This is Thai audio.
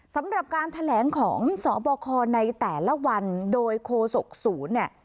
สำหรับการแถลงของสบคในแต่ละวันโดยโคศกศูนย์เนี่ย